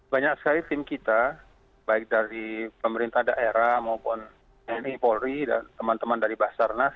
banyak sekali tim kita baik dari pemerintah daerah maupun tni polri dan teman teman dari basarnas